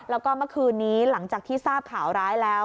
แล้วก็เมื่อคืนนี้หลังจากที่ทราบข่าวร้ายแล้ว